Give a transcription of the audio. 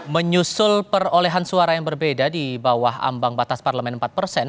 menyusul perolehan suara yang berbeda di bawah ambang batas parlemen empat persen